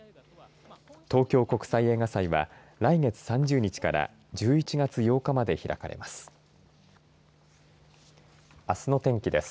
東京国際映画祭は来月３０日から１１月８日まで開かれます。